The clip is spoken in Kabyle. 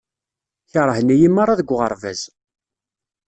Kerhen-iyi merra deg uɣerbaz.